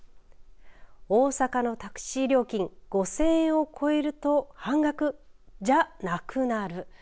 大阪のタクシー料金５０００円を超えると半額じゃなくなる。